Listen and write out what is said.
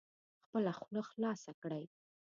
خپله خوله خلاصه کړئ